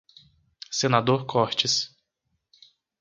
Senador Cortes